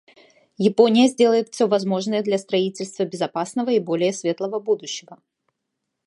Япония сделает все возможное для строительства безопасного и более светлого будущего.